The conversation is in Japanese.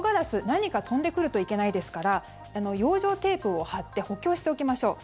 何か飛んでくるといけないですから養生テープを貼って補強しておきましょう。